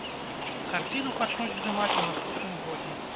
Карціну пачнуць здымаць у наступным годзе.